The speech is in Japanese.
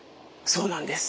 そうなんです。